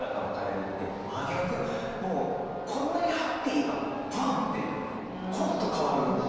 もうこんなにハッピーがバンッてコロッと変わる。